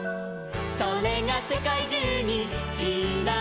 「それがせかいじゅうにちらばって」